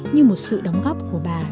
như một sự đóng góp của bà